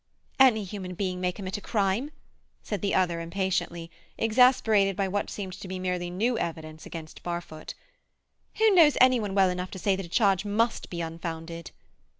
"Any human being may commit a crime," said the other impatiently, exasperated by what seemed to be merely new evidence against Barfoot. "Who knows any one well enough to say that a charge must be unfounded?"